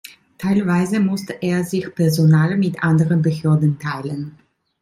Teilweise musste er sich Personal mit anderen Behörden teilen.